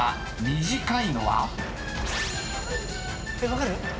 分かる？